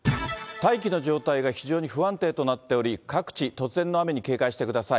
大気の状態が非常に不安定となっており、各地、突然の雨に警戒してください。